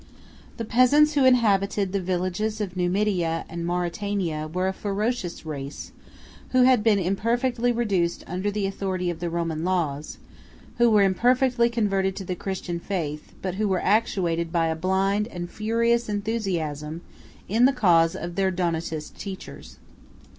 158 The peasants who inhabited the villages of Numidia and Mauritania, were a ferocious race, who had been imperfectly reduced under the authority of the Roman laws; who were imperfectly converted to the Christian faith; but who were actuated by a blind and furious enthusiasm in the cause of their Donatist teachers.